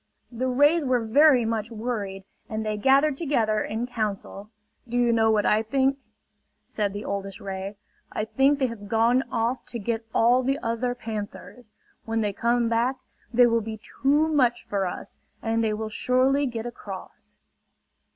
The rays were very much worried, and they gathered together in council. "Do you know what I think?" said the oldest ray. "I think they have gone off to get all the other panthers. When they come back, they will be too much for us and they will surely get across!"